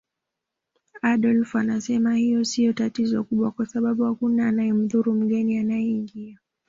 Adolf anasema hilo siyo tatizo kubwa kwa sababu hakuna anayemdhuru mgeni anayeingia